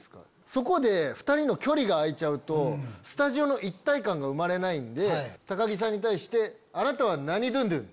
そこで２人の距離が開いちゃうとスタジオの一体感が生まれないんで高木さんに対して「あなたは何ドゥンドゥン？」。